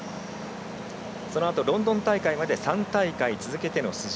そのあとロンドン大会まで３大会続けての出場。